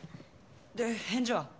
で返事は？